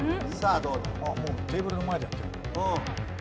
あっもうテーブルの前でやってる。